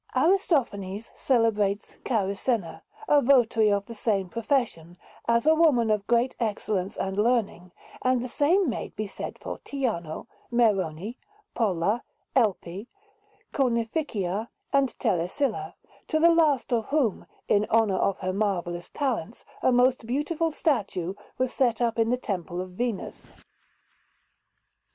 Aristophanes celebrates Carissena, a votary of the same profession, as a woman of great excellence and learning; and the same may be said for Teano, Merone, Polla, Elpe, Cornificia, and Telesilla, to the last of whom, in honour of her marvellous talents, a most beautiful statue was set up in the Temple of Venus.